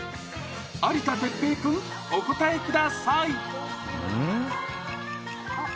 有田哲平君、お答えください。